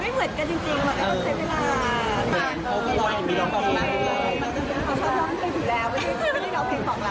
มาแบบนั้น